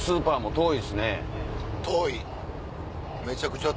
遠い。